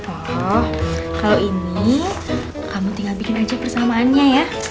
oh kalau ini kamu tinggal bikin aja persamaannya ya